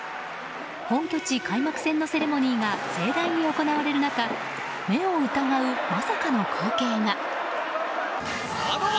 本拠地開幕戦のセレモニーが盛大に行われる中目を疑うまさかの光景が。